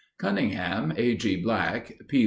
Cunningham, A. G. Black, P.